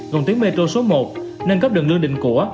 gồm tuyến metro số một nâng cấp đường lương định của